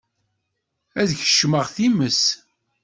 Ad kecmeɣ times.